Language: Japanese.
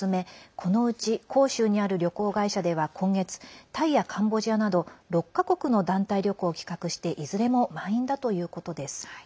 このうち広州にある旅行会社では今月タイやカンボジアなど６か国の団体旅行を企画していずれも満員だということです。